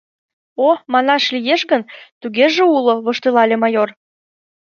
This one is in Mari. — О, «манаш лиеш» гын, тугеже уло, — воштылале майор.